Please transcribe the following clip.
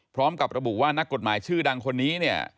พร้อมกับระบุว่านักกฎหมายชื่อดังคนนี้เนี่ย